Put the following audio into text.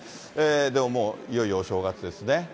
でももういよいよお正月ですね。